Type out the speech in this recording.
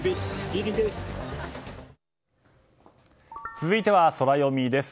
続いてはソラよみです。